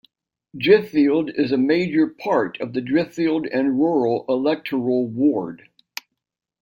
Driffield is a major part of the Driffield and Rural electoral ward.